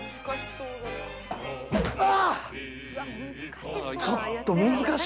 うわ！